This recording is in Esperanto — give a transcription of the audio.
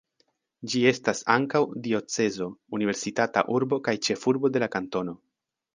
Ĝi estas ankaŭ diocezo, universitata urbo kaj ĉefurbo de la kantono.